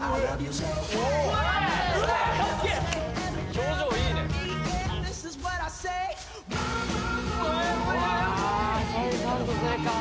・表情いいねうわ